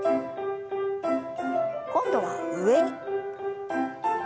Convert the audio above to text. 今度は上。